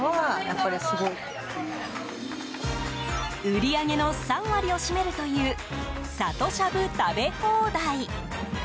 売り上げの３割を占めるというさとしゃぶ食べ放題。